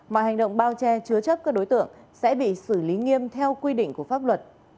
mọi hành động bao che chứa chấp các đối tượng sẽ bị xử lý nghiêm theo quy định của pháp luật